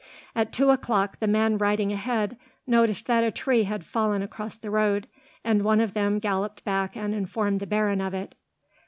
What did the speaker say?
At two o'clock, the men riding ahead noticed that a tree had fallen across the road, and one of them galloped back and informed the baron of it.